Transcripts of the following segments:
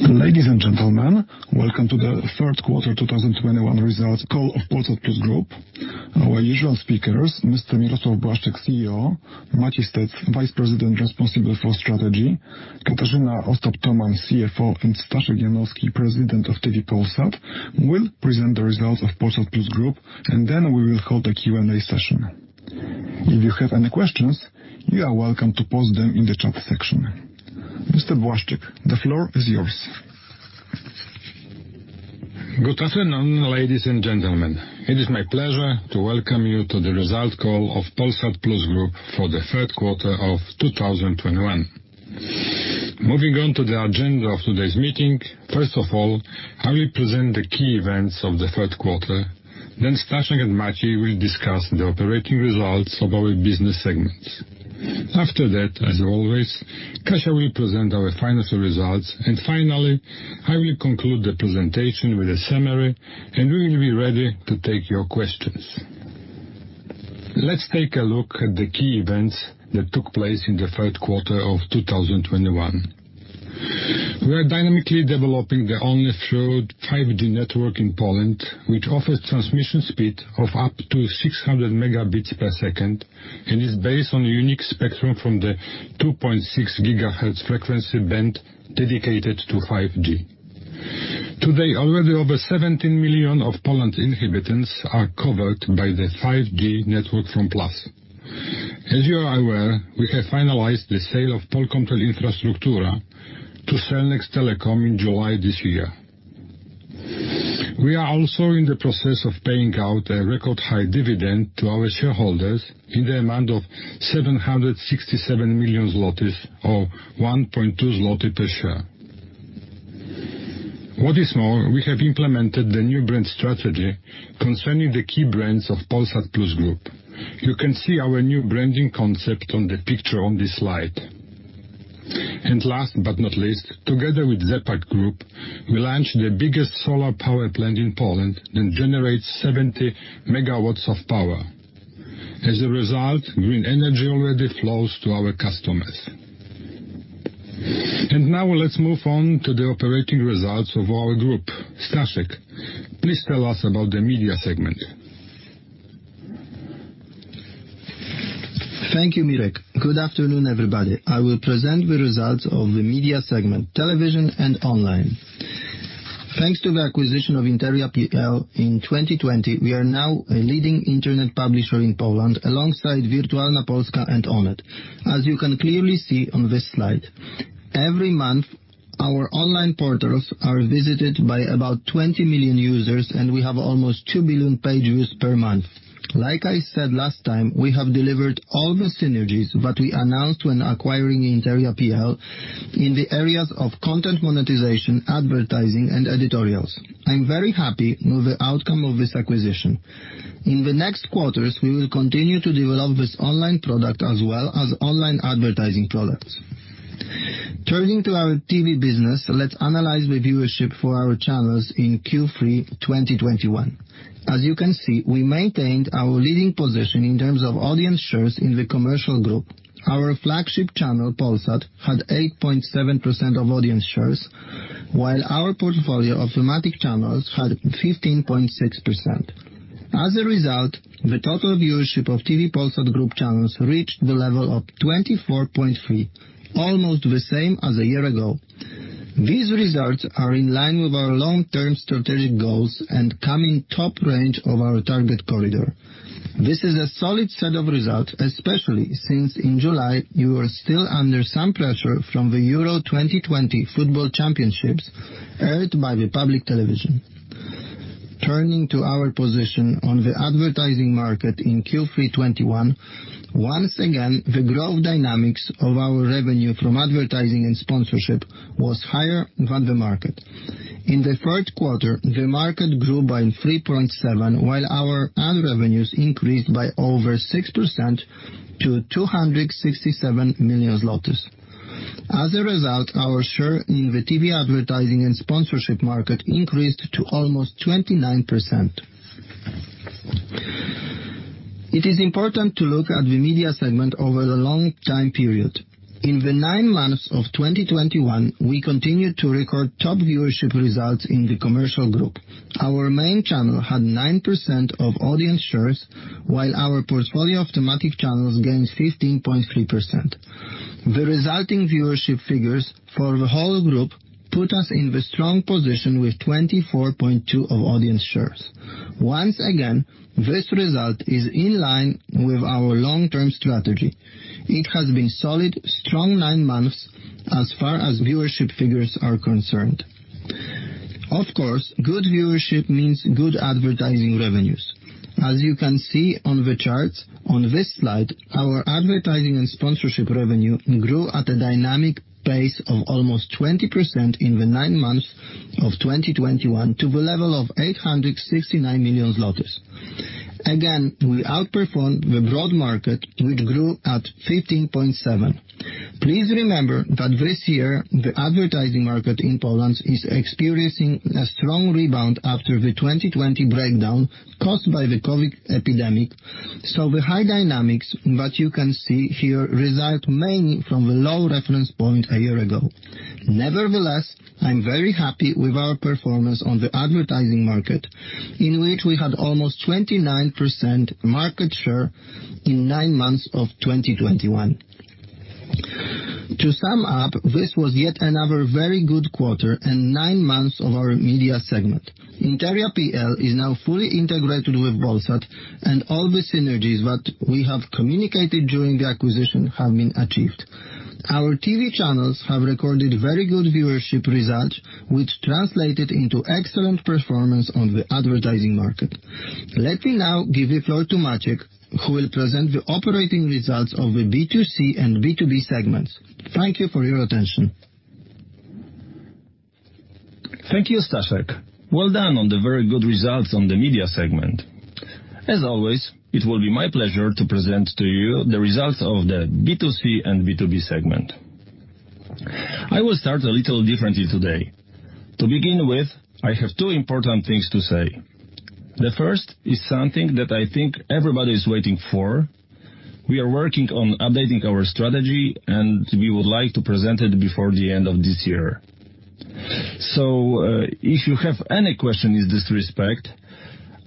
Ladies and gentlemen, welcome to the third quarter 2021 results call of Polsat Plus Group. Our usual speakers, Mr. Mirosław Błaszczyk, CEO, Maciej Stec, Vice President responsible for strategy, Katarzyna Ostap-Tomann, CFO, and Staszek Janowski, President of Telewizja Polsat, will present the results of Polsat Plus Group, and then we will hold a Q&A session. If you have any questions, you are welcome to post them in the chat section. Mr. Błaszczyk, the floor is yours. Good afternoon, ladies and gentlemen. It is my pleasure to welcome you to the results call of Polsat Plus Group for the third quarter of 2021. Moving on to the agenda of today's meeting. First of all, I will present the key events of the third quarter. Staszek and Maciej will discuss the operating results of our business segments. After that, as always, Kasia will present our financial results. Finally, I will conclude the presentation with a summary, and we will be ready to take your questions. Let's take a look at the key events that took place in the third quarter of 2021. We are dynamically developing the only third 5G network in Poland, which offers transmission speed of up to 600 Mbps and is based on a unique spectrum from the 2.6 GHz frequency band dedicated to 5G. Today, already over 17 million of Poland's inhabitants are covered by the 5G network from Plus. As you are aware, we have finalized the sale of Polkomtel Infrastruktura to Cellnex Telecom in July this year. We are also in the process of paying out a record high dividend to our shareholders in the amount of 767 million zlotys or 1.2 zloty per share. What is more, we have implemented the new brand strategy concerning the key brands of Polsat Plus Group. You can see our new branding concept on the picture on this slide. Last but not least, together with ZE PAK Group, we launched the biggest solar power plant in Poland that generates 70 MW of power. As a result, green energy already flows to our customers. Now let's move on to the operating results of our group. Staszek, please tell us about the media segment. Thank you, Mirek. Good afternoon, everybody. I will present the results of the media segment, television and online. Thanks to the acquisition of Interia.pl in 2020, we are now a leading internet publisher in Poland alongside Wirtualna Polska and Onet, as you can clearly see on this slide. Every month, our online portals are visited by about 20 million users, and we have almost two billion page views per month. Like I said last time, we have delivered all the synergies that we announced when acquiring Interia.pl in the areas of content monetization, advertising, and editorials. I'm very happy with the outcome of this acquisition. In the next quarters, we will continue to develop this online product as well as online advertising products. Turning to our TV business, let's analyze the viewership for our channels in Q3 2021. As you can see, we maintained our leading position in terms of audience shares in the commercial group. Our flagship channel, Polsat, had 8.7% of audience shares, while our portfolio of thematic channels had 15.6%. As a result, the total viewership of TV Polsat Group channels reached the level of 24.3%, almost the same as a year ago. These results are in line with our long-term strategic goals and come in top range of our target corridor. This is a solid set of results, especially since in July, you were still under some pressure from the Euro 2020 football championships aired by the public television. Turning to our position on the advertising market in Q3 2021, once again, the growth dynamics of our revenue from advertising and sponsorship was higher than the market. In the third quarter, the market grew by 3.7%, while our ad revenues increased by over 6% to 267 million PLN. As a result, our share in the TV advertising and sponsorship market increased to almost 29%. It is important to look at the media segment over the long time period. In the nine months of 2021, we continued to record top viewership results in the commercial group. Our main channel had 9% of audience shares, while our portfolio of thematic channels gained 15.3%. The resulting viewership figures for the whole group put us in the strong position with 24.2% of audience shares. Once again, this result is in line with our long-term strategy. It has been solid, strong nine months as far as viewership figures are concerned. Of course, good viewership means good advertising revenues. As you can see on the charts on this slide, our advertising and sponsorship revenue grew at a dynamic pace of almost 20% in the nine months of 2021 to the level of 869 million zlotys. Again, we outperformed the broad market, which grew at 15.7%. Please remember that this year, the advertising market in Poland is experiencing a strong rebound after the 2020 breakdown caused by the COVID epidemic. The high dynamics that you can see here result mainly from the low reference point a year ago. Nevertheless, I'm very happy with our performance on the advertising market, in which we had almost 29% market share in nine months of 2021. To sum up, this was yet another very good quarter and nine months of our media segment. Interia.pl is now fully integrated with Polsat, and all the synergies that we have communicated during the acquisition have been achieved. Our TV channels have recorded very good viewership results, which translated into excellent performance on the advertising market. Let me now give the floor to Maciej, who will present the operating results of the B2C and B2B segments. Thank you for your attention. Thank you, Staszek. Well done on the very good results on the media segment. As always, it will be my pleasure to present to you the results of the B2C and B2B segment. I will start a little differently today. To begin with, I have two important things to say. The first is something that I think everybody is waiting for. We are working on updating our strategy, and we would like to present it before the end of this year. So, if you have any question in this respect,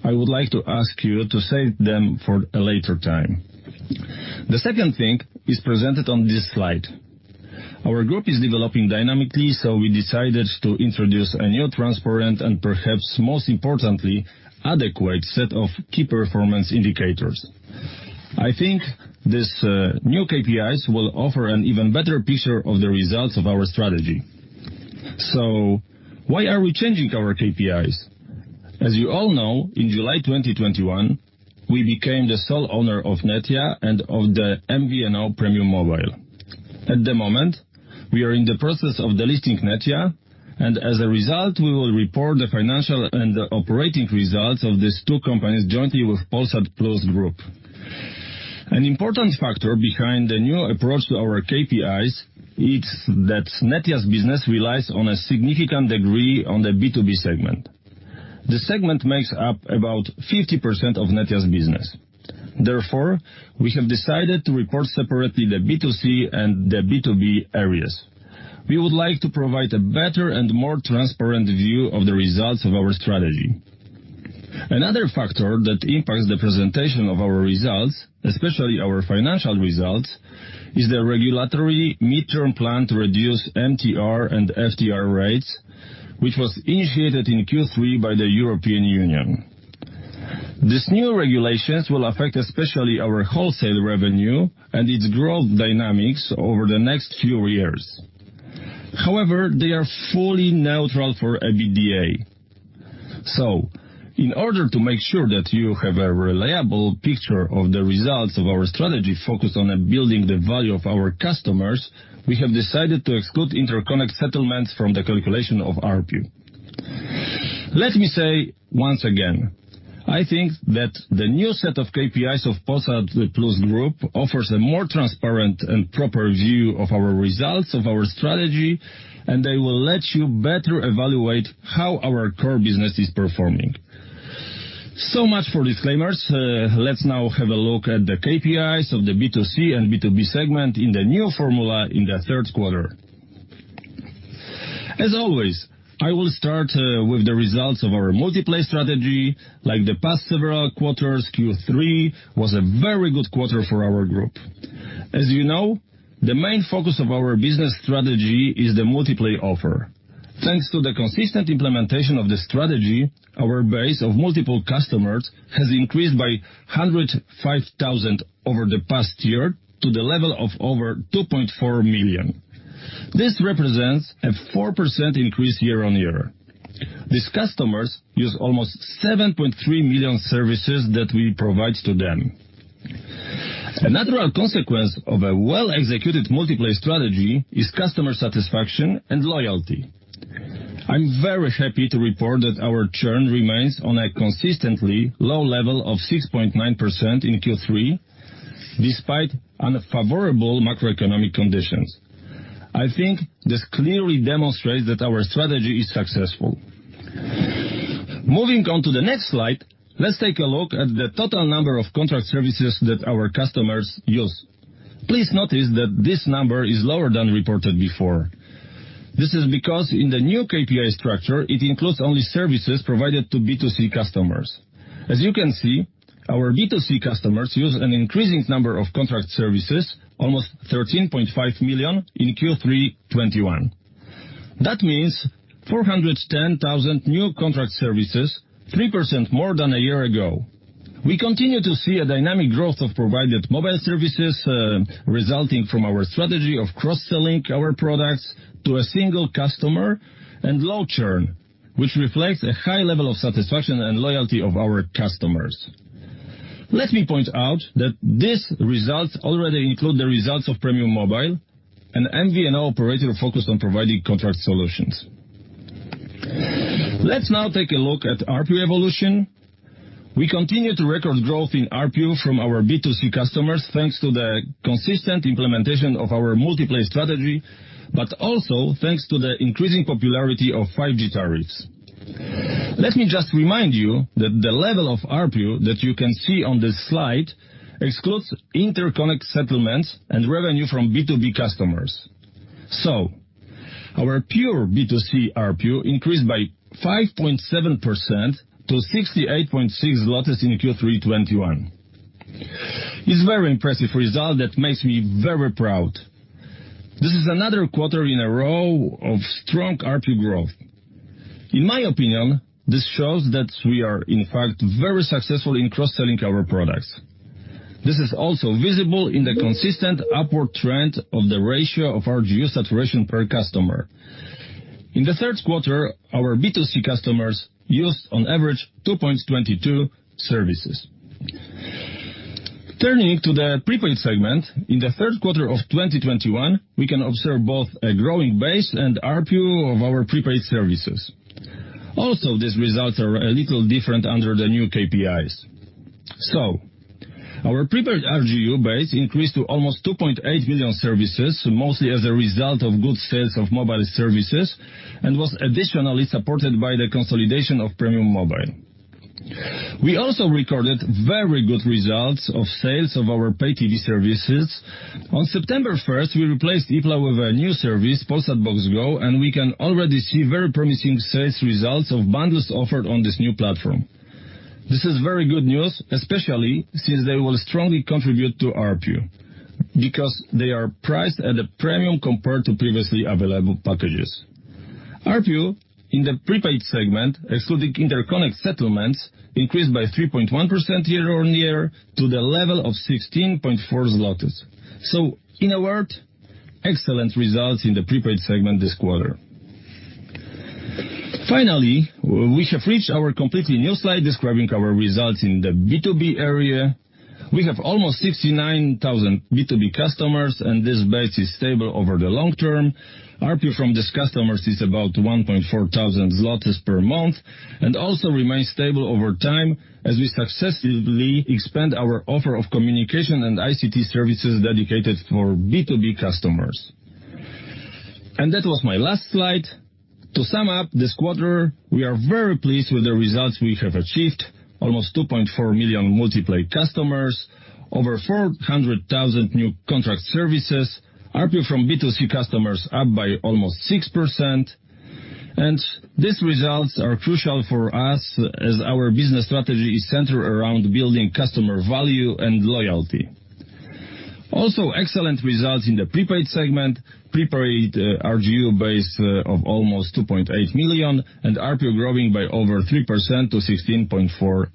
I would like to ask you to save them for a later time. The second thing is presented on this slide. Our group is developing dynamically, so we decided to introduce a new, transparent, and perhaps most importantly, adequate set of key performance indicators. I think these new KPIs will offer an even better picture of the results of our strategy. Why are we changing our KPIs? As you all know, in July 2021, we became the sole owner of Netia and of the MVNO Premium Mobile. At the moment, we are in the process of delisting Netia, and as a result, we will report the financial and operating results of these two companies jointly with Polsat Plus Group. An important factor behind the new approach to our KPIs, it's that Netia's business relies to a significant degree on the B2B segment. The segment makes up about 50% of Netia's business. Therefore, we have decided to report separately the B2C and the B2B areas. We would like to provide a better and more transparent view of the results of our strategy. Another factor that impacts the presentation of our results, especially our financial results, is the regulatory midterm plan to reduce MTR and FTR rates, which was initiated in Q3 by the European Union. These new regulations will affect especially our wholesale revenue and its growth dynamics over the next few years. However, they are fully neutral for EBITDA. In order to make sure that you have a reliable picture of the results of our strategy focused on building the value of our customers, we have decided to exclude interconnect settlements from the calculation of ARPU. Let me say once again, I think that the new set of KPIs of Polsat Plus Group offers a more transparent and proper view of our results, of our strategy, and they will let you better evaluate how our core business is performing. Much for disclaimers. Let's now have a look at the KPIs of the B2C and B2B segment in the new formula in the third quarter. As always, I will start with the results of our multi-play strategy. Like the past several quarters, Q3 was a very good quarter for our group. As you know, the main focus of our business strategy is the multi-play offer. Thanks to the consistent implementation of the strategy, our base of multiple customers has increased by 105,000 over the past year to the level of over 2.4 million. This represents a 4% increase year-on-year. These customers use almost 7.3 million services that we provide to them. A natural consequence of a well-executed multi-play strategy is customer satisfaction and loyalty. I'm very happy to report that our churn remains on a consistently low level of 6.9% in Q3, despite unfavorable macroeconomic conditions. I think this clearly demonstrates that our strategy is successful. Moving on to the next slide, let's take a look at the total number of contract services that our customers use. Please notice that this number is lower than reported before. This is because in the new KPI structure, it includes only services provided to B2C customers. As you can see, our B2C customers use an increasing number of contract services, almost 13.5 million in Q3 2021. That means 410,000 new contract services, 3% more than a year ago. We continue to see a dynamic growth of provided mobile services, resulting from our strategy of cross-selling our products to a single customer and low churn, which reflects a high level of satisfaction and loyalty of our customers. Let me point out that these results already include the results of Premium Mobile, an MVNO operator focused on providing contract solutions. Let's now take a look at ARPU evolution. We continue to record growth in ARPU from our B2C customers, thanks to the consistent implementation of our multi-play strategy, but also thanks to the increasing popularity of 5G tariffs. Let me just remind you that the level of ARPU that you can see on this slide excludes interconnect settlements and revenue from B2B customers. Our pure B2C ARPU increased by 5.7% to 68.6 in Q3 2021. It's very impressive result that makes me very proud. This is another quarter in a row of strong ARPU growth. In my opinion, this shows that we are in fact very successful in cross-selling our products. This is also visible in the consistent upward trend of the ratio of our RGU saturation per customer. In the third quarter, our B2C customers used on average 2.22 services. Turning to the prepaid segment. In the third quarter of 2021, we can observe both a growing base and ARPU of our prepaid services. Also, these results are a little different under the new KPIs. Our prepaid RGU base increased to almost 2.8 million services, mostly as a result of good sales of mobile services, and was additionally supported by the consolidation of Premium Mobile. We also recorded very good results of sales of our pay TV services. On September 1, we replaced Ipla with a new service, Polsat Box Go, and we can already see very promising sales results of bundles offered on this new platform. This is very good news, especially since they will strongly contribute to ARPU because they are priced at a premium compared to previously available packages. ARPU in the prepaid segment, excluding interconnect settlements, increased by 3.1% year-over-year to the level of 16.4 zlotys. In a word, excellent results in the prepaid segment this quarter. Finally, we have reached our completely new slide describing our results in the B2B area. We have almost 69,000 B2B customers, and this base is stable over the long term. ARPU from these customers is about 1,400 per month and also remains stable over time as we successively expand our offer of communication and ICT services dedicated for B2B customers. That was my last slide. To sum up this quarter, we are very pleased with the results we have achieved. Almost 2.4 million multi-play customers, over 400,000 new contract services. ARPU from B2C customers up by almost 6%. These results are crucial for us as our business strategy is centered around building customer value and loyalty. Also, excellent results in the prepaid segment. Prepaid RGU base of almost 2.8 million and ARPU growing by over 3% to 16.4.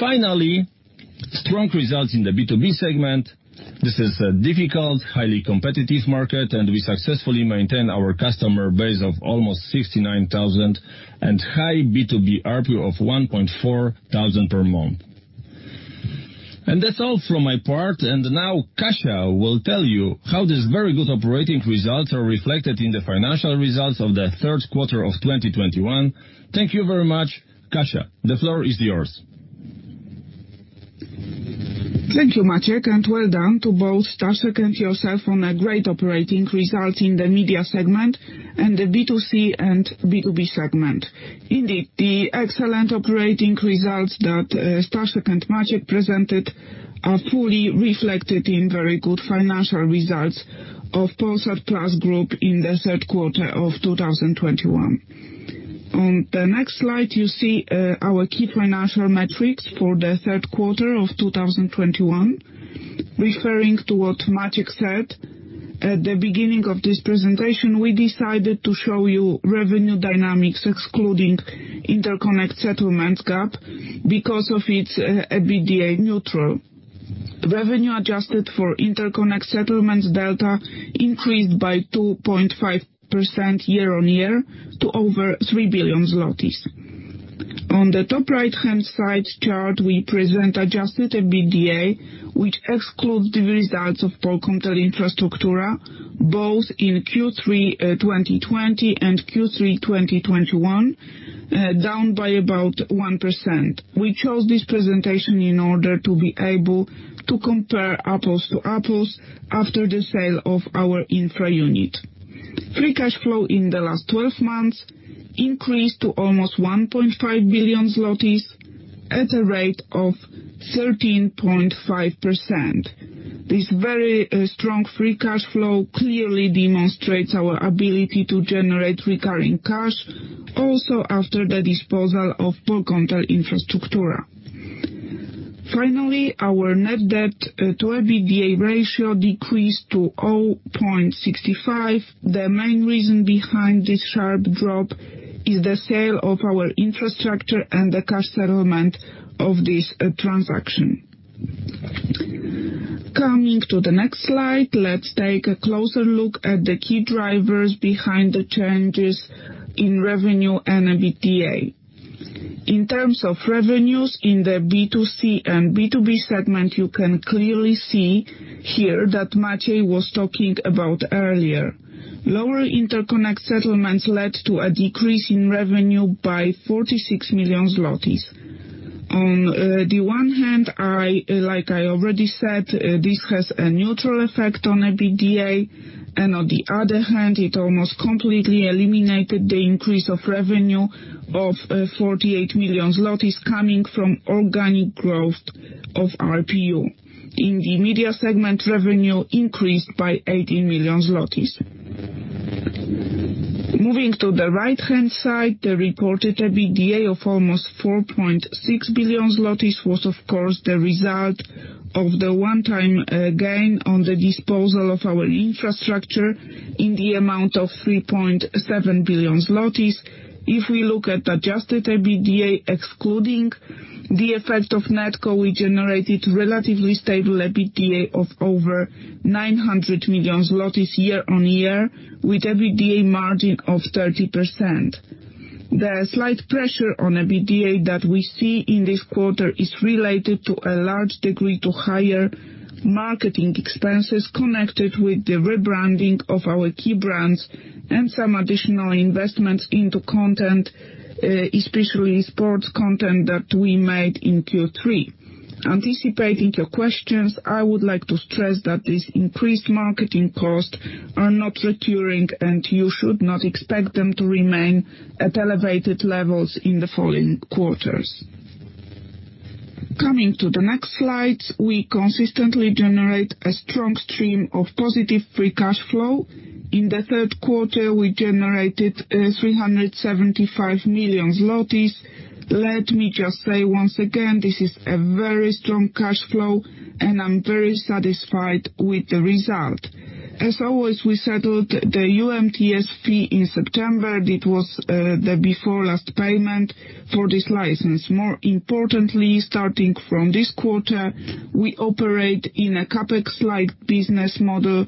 Finally, strong results in the B2B segment. This is a difficult, highly competitive market, and we successfully maintain our customer base of almost 69,000 and high B2B ARPU of 1,400 per month. That's all from my part. Now Kasia will tell you how this very good operating results are reflected in the financial results of the third quarter of 2021. Thank you very much. Kasia, the floor is yours. Thank you, Maciek, and well done to both Staszek and yourself on a great operating result in the media segment and the B2C and B2B segment. Indeed, the excellent operating results that Staszek and Maciek presented are fully reflected in very good financial results of Polsat Plus Group in the third quarter of 2021. On the next slide, you see our key financial metrics for the third quarter of 2021. Referring to what Maciek said at the beginning of this presentation, we decided to show you revenue dynamics excluding interconnect settlements gap because of its EBITDA neutral. Revenue adjusted for interconnect settlements delta increased by 2.5% year-on-year to over 3 billion zlotys. On the top right-hand side chart, we present adjusted EBITDA, which excludes the results of Polkomtel Infrastruktura both in Q3 2020 and Q3 2021, down by about 1%. We chose this presentation in order to be able to compare apples to apples after the sale of our infra unit. Free cash flow in the last twelve months increased to almost 1.5 billion zlotys at a rate of 13.5%. This very strong free cash flow clearly demonstrates our ability to generate recurring cash also after the disposal of Polkomtel Infrastruktura. Finally, our net debt to EBITDA ratio decreased to 0.65. The main reason behind this sharp drop is the sale of our infrastructure and the cash settlement of this transaction. Coming to the next slide, let's take a closer look at the key drivers behind the changes in revenue and EBITDA. In terms of revenues in the B2C and B2B segment, you can clearly see here that Maciej was talking about earlier. Lower interconnect settlements led to a decrease in revenue by 46 million zlotys. On the one hand, like I already said, this has a neutral effect on EBITDA, and on the other hand, it almost completely eliminated the increase of revenue of 48 million zlotys coming from organic growth of ARPU. In the media segment, revenue increased by 18 million zlotys. Moving to the right-hand side, the reported EBITDA of almost 4.6 billion zlotys was of course the result of the one-time gain on the disposal of our infrastructure in the amount of 3.7 billion zlotys. If we look at adjusted EBITDA, excluding the effect of Netia, we generated relatively stable EBITDA of over 900 million zlotys year on year, with EBITDA margin of 30%. The slight pressure on EBITDA that we see in this quarter is related to a large degree to higher marketing expenses connected with the rebranding of our key brands and some additional investments into content, especially sports content, that we made in Q3. Anticipating your questions, I would like to stress that these increased marketing costs are not recurring, and you should not expect them to remain at elevated levels in the following quarters. Coming to the next slide, we consistently generate a strong stream of positive free cash flow. In the third quarter, we generated 375 million zlotys. Let me just say once again, this is a very strong cash flow, and I'm very satisfied with the result. As always, we settled the UMTS fee in September. It was the before last payment for this license. More importantly, starting from this quarter, we operate in a CapEx light business model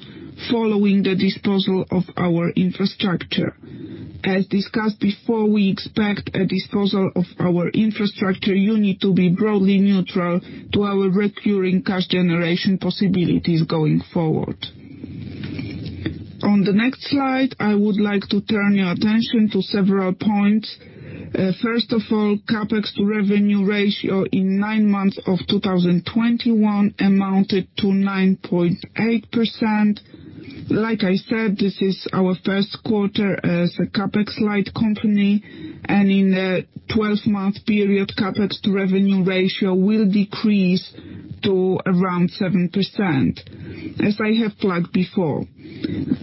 following the disposal of our infrastructure. As discussed before, we expect a disposal of our infrastructure unit to be broadly neutral to our recurring cash generation possibilities going forward. On the next slide, I would like to turn your attention to several points. First of all, CapEx to revenue ratio in nine months of 2021 amounted to 9.8%. Like I said, this is our first quarter as a CapEx light company, and in a twelve-month period, CapEx to revenue ratio will decrease to around 7% as I have flagged before.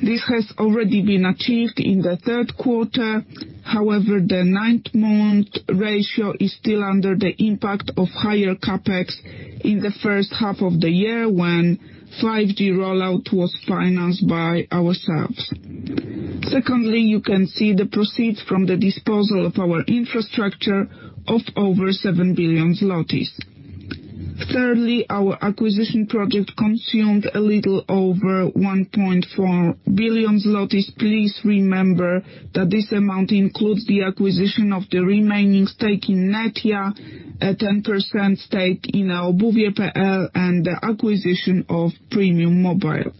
This has already been achieved in the third quarter. However, the ninth-month ratio is still under the impact of higher CapEx in the first half of the year when 5G rollout was financed by ourselves. Secondly, you can see the proceeds from the disposal of our infrastructure of over 7 billion zlotys. Thirdly, our acquisition project consumed a little over 1.4 billion zlotys. Please remember that this amount includes the acquisition of the remaining stake in Netia, a 10% stake in eobuwie.pl, and the acquisition of Premium Mobile.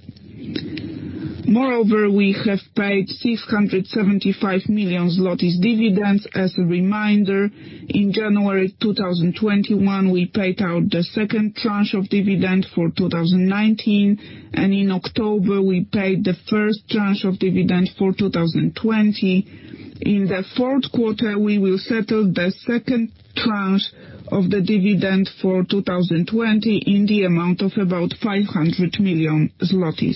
Moreover, we have paid 675 million zlotys dividends. As a reminder, in January 2021, we paid out the second tranche of dividend for 2019, and in October, we paid the first tranche of dividend for 2020. In the fourth quarter, we will settle the second tranche of the dividend for 2020 in the amount of about 500 million zlotys.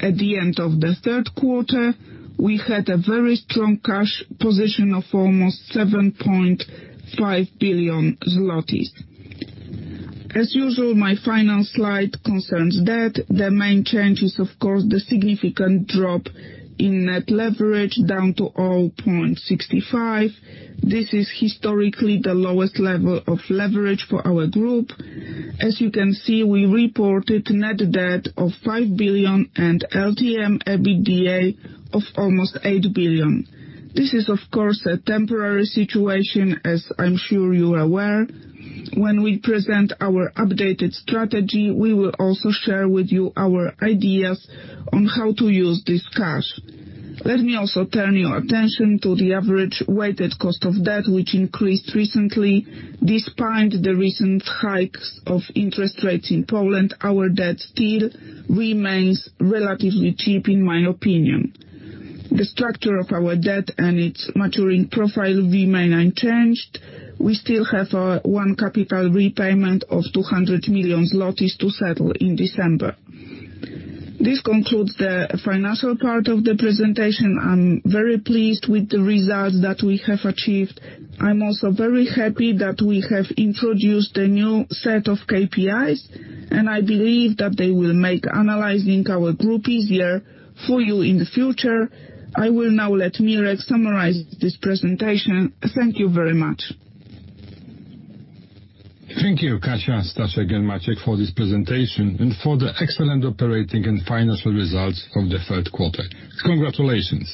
At the end of the third quarter, we had a very strong cash position of almost 7.5 billion zlotys. As usual, my final slide concerns debt. The main change is of course the significant drop in net leverage down to 0.65. This is historically the lowest level of leverage for our group. As you can see, we reported net debt of 5 billion and LTM EBITDA of almost 8 billion. This is of course a temporary situation, as I'm sure you're aware. When we present our updated strategy, we will also share with you our ideas on how to use this cash. Let me also turn your attention to the average weighted cost of debt, which increased recently. Despite the recent hikes of interest rates in Poland, our debt still remains relatively cheap in my opinion. The structure of our debt and its maturing profile remain unchanged. We still have one capital repayment of 200 million to settle in December. This concludes the financial part of the presentation. I'm very pleased with the results that we have achieved. I'm also very happy that we have introduced a new set of KPIs, and I believe that they will make analyzing our group easier for you in the future. I will now let Mirek summarize this presentation. Thank you very much. Thank you, Kasia, Staszek and Maciek for this presentation and for the excellent operating and financial results of the third quarter. Congratulations.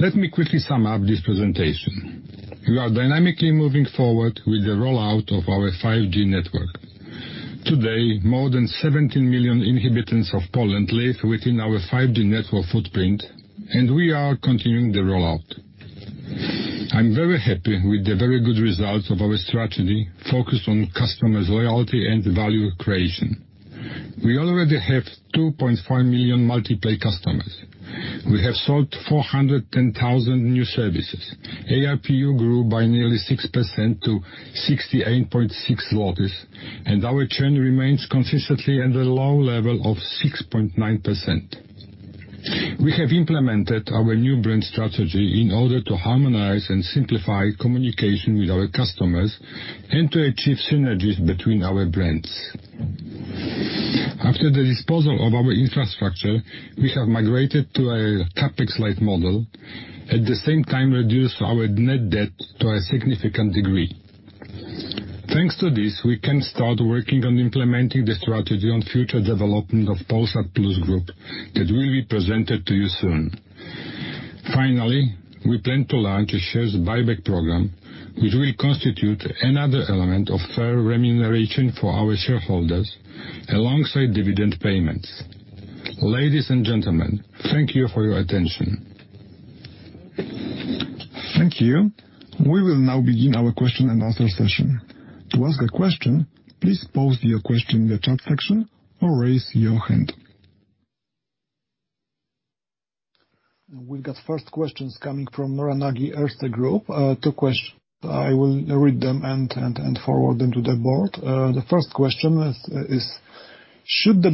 Let me quickly sum up this presentation. We are dynamically moving forward with the rollout of our 5G network. Today, more than 17 million inhabitants of Poland live within our 5G network footprint, and we are continuing the rollout. I'm very happy with the very good results of our strategy focused on customers loyalty and value creation. We already have 2.5 million multi-play customers. We have sold 410,000 new services. ARPU grew by nearly 6% to 68.6, and our churn remains consistently at a low level of 6.9%. We have implemented our new brand strategy in order to harmonize and simplify communication with our customers and to achieve synergies between our brands. After the disposal of our infrastructure, we have migrated to a CapEx-lite model. At the same time, we reduced our net debt to a significant degree. Thanks to this, we can start working on implementing the strategy on future development of Polsat Plus Group that will be presented to you soon. Finally, we plan to launch a share buyback program, which will constitute another element of fair remuneration for our shareholders alongside dividend payments. Ladies and gentlemen, thank you for your attention. Thank you. We will now begin our question and answer session. To ask a question, please post your question in the chat section or raise your hand. We got first questions coming from Nora Varga-Nagy, Erste Group. Two quest—I will read them and forward them to the board. The first question is: Should the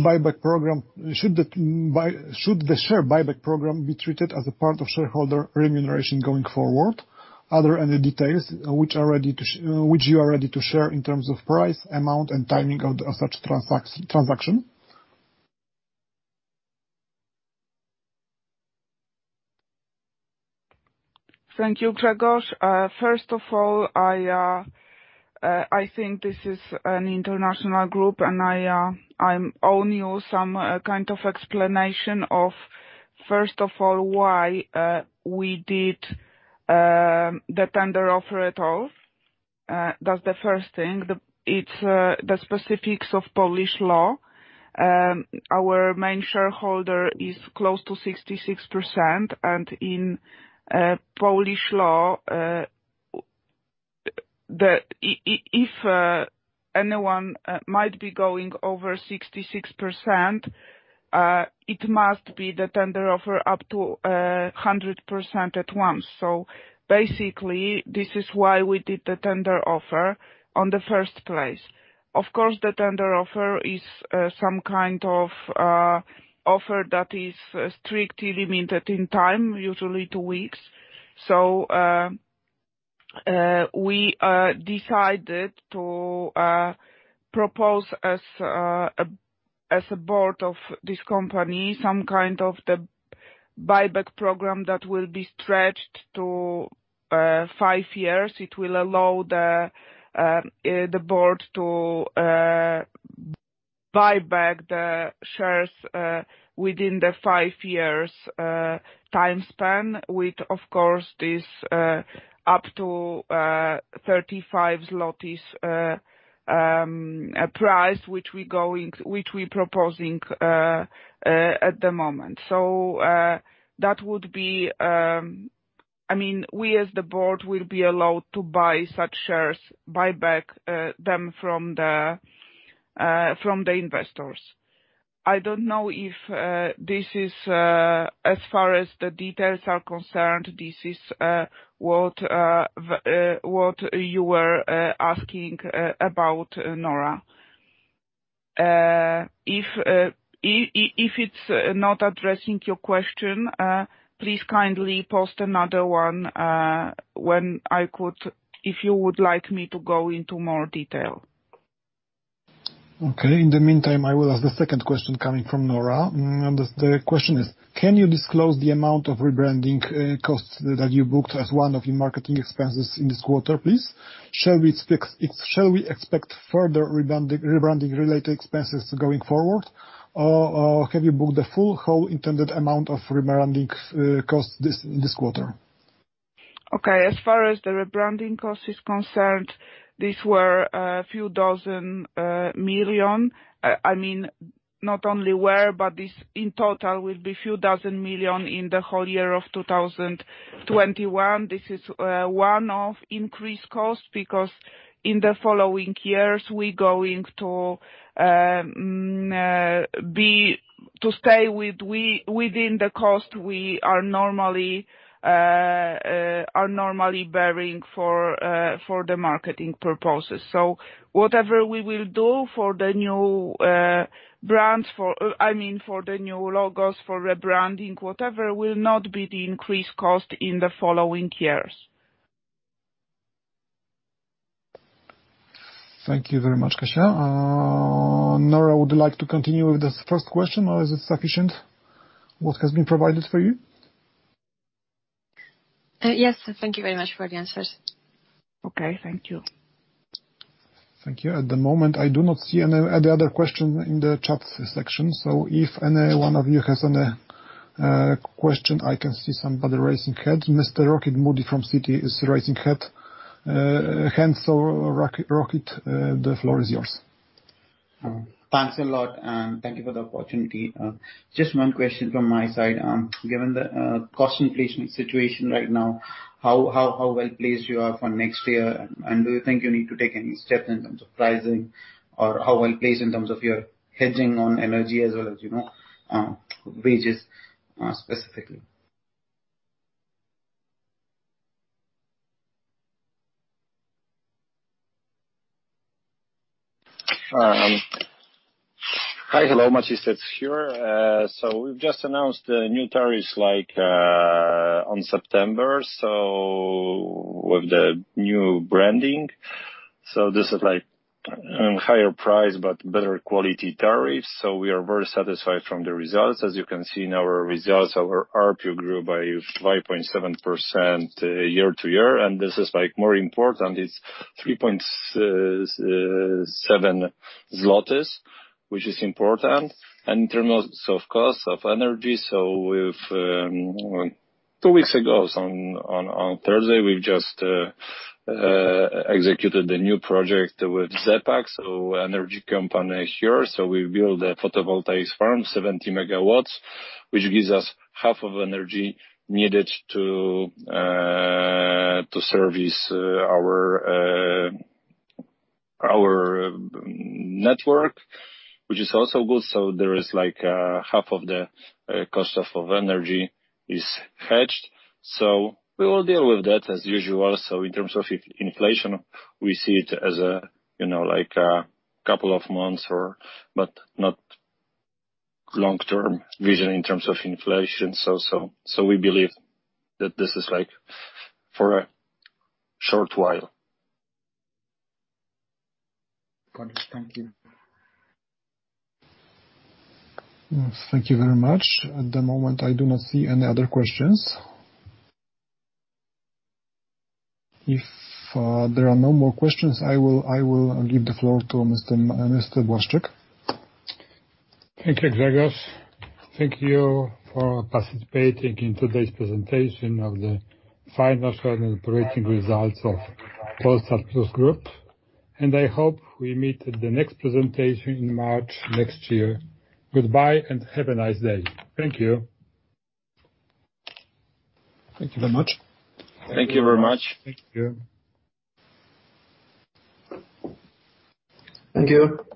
share buyback program be treated as a part of shareholder remuneration going forward? Are there any details which you are ready to share in terms of price, amount, and timing of such transaction? Thank you, Grzegorz. First of all, I think this is an international group, and I'm owing you some kind of explanation of, first of all, why we did the tender offer at all. That's the first thing. It's the specifics of Polish law. Our main shareholder is close to 66%, and in Polish law, if anyone might be going over 66%, it must be the tender offer up to 100% at once. Basically, this is why we did the tender offer in the first place. Of course, the tender offer is some kind of offer that is strictly limited in time, usually two weeks. We decided to propose, as a board of this company, some kind of the buyback program that will be stretched to five years. It will allow the board to buy back the shares within the five years time span, with, of course, this up to 35 zlotys price, which we're proposing at the moment. That would be. I mean, we as the board will be allowed to buy back such shares from the investors. I don't know if this is, as far as the details are concerned, this is what you were asking about, Nora. If it's not addressing your question, please kindly post another one when I could. If you would like me to go into more detail. Okay. In the meantime, I will ask the second question coming from Nora. The question is: Can you disclose the amount of rebranding costs that you booked as one of your marketing expenses in this quarter, please? Shall we expect further rebranding related expenses going forward, or have you booked the full whole intended amount of rebranding costs this quarter? Okay, as far as the rebranding cost is concerned, these were PLN a few dozen million. I mean, not only were, but this, in total, will be few dozen million in the whole year of 2021. This is one of increased cost, because in the following years, we're going to stay within the cost we are normally bearing for the marketing purposes. Whatever we will do for the new brands, I mean for the new logos, for rebranding, whatever, will not be the increased cost in the following years. Thank you very much, Kasia. Nora, would you like to continue with this first question, or is it sufficient what has been provided for you? Yes, thank you very much for the answers. Okay, thank you. Thank you. At the moment, I do not see any other question in the chat section. If anyone of you has any question, I can see somebody raising hand. Mr. Michael Rollins from Citi is raising hand. Hence, Rocket, the floor is yours. Thanks a lot, and thank you for the opportunity. Just one question from my side. Given the cost inflation situation right now, how well-placed you are for next year? And do you think you need to take any steps in terms of pricing or how well placed in terms of your hedging on energy as well as, you know, wages, specifically? Hi, hello. Maciej Szczepur. We've just announced the new tariffs, like, on September, with the new branding. This is like, higher price but better quality tariffs. We are very satisfied from the results. As you can see in our results, our ARPU grew by 5.7%, year-to-year. This is, like, more important, it's 3.7 zlotys, which is important. In terms of cost of energy, we've two weeks ago on Thursday executed a new project with ZE PAK, energy company here. We build a photovoltaic farm, 70 MW, which gives us half of energy needed to service our network, which is also good. There is like, half of the cost of energy is hedged. We will deal with that as usual. In terms of inflation, we see it as a, you know, like a couple of months or but not long-term vision in terms of inflation. We believe that this is, like, for a short while. Got it. Thank you. Thank you very much. At the moment, I do not see any other questions. If there are no more questions, I will give the floor to Mr. Błaszczyk. Thank you, Grzegorz. Thank you for participating in today's presentation of the financial and operating results of Polsat Plus Group, and I hope we meet at the next presentation in March next year. Goodbye and have a nice day. Thank you. Thank you very much. Thank you very much. Thank you. Thank you.